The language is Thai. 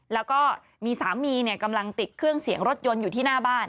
แล้วก็มีสามีกำลังติดเครื่องเสียงรถยนต์อยู่ที่หน้าบ้าน